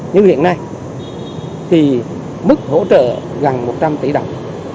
nhưng hiện nay thì mức hỗ trợ gần một trăm linh tỷ đồng